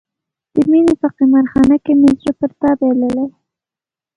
د مینې په قمار خانه کې مې زړه پر تا بایللی.